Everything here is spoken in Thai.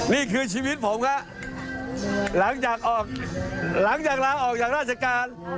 เป็นไงล่ะ